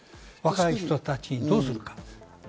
若い人たちをどうするか。